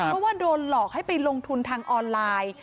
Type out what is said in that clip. เพราะว่าโดนหลอกให้ไปลงทุนทางออนไลน์